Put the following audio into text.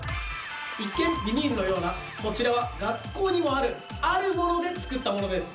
一見ビニールのようなこちらは学校にもあるある物で作ったものです。